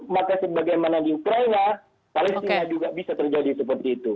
maka sebagaimana di ukraina palestina juga bisa terjadi seperti itu